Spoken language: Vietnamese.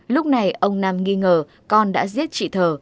lúc này ông nam nghi ngờ con đã giết chị thờ